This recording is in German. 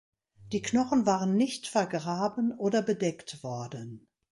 Die Knochen waren nicht vergraben oder bedeckt worden.